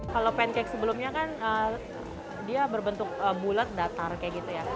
kalau pancake sebelumnya kan dia berbentuk bulat datar kayak gitu ya